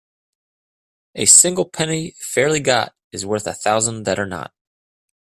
A single penny fairly got is worth a thousand that are not.